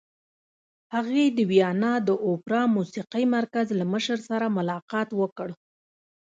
هغې د ویانا د اوپرا موسیقۍ مرکز له مشر سره ملاقات وکړ